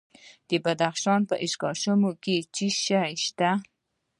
د بدخشان په اشکاشم کې څه شی شته؟